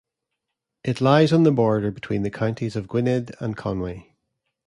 It lies on the border between the counties of Gwynedd and Conwy.